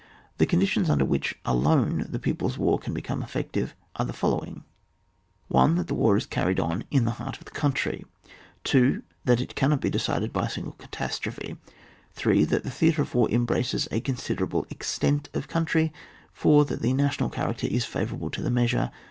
The conditions under which alone the people's war can become effective are the following — 1 . That the war is carried on in the heart of the country. 2. That it cannot be decided by a single catastrophe. 3. That the theatre of war embraces a considerable extent of country. 4. That the national character is favourable to the measure.